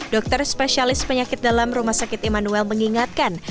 dokter spesialis penyakit dalam rumah sakit immanuel mengingatkan